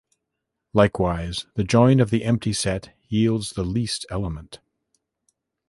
Likewise, the join of the empty set yields the least element.